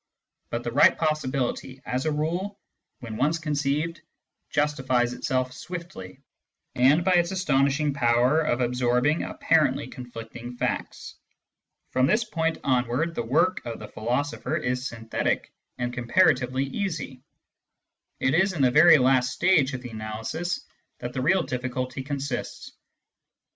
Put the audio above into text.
But the right possibility, as a rule, when once conceived, justifies itself swiftly by its astonishing power of absorbing apparently conflicting 16 Digitized by Google 242 SCIENTIFIC METHOD IN PHILOSOPHY facts. From this point onward, the work of the philo sopher is synthetic and comparatively easy ; it is in the very last stage of the analysis that the real difficulty consists.